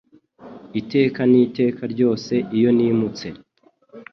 Iteka n'iteka ryose iyo nimutse.